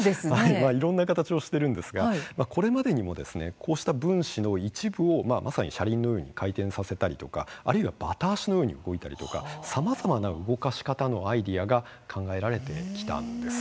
いろんな形をしているんですがこれまでにもですねこうした分子の一部を、まさに車輪のように回転させたりとかあるいはばた足のように動いたりとかさまざまな動かし方のアイデアが考えられてきたんです。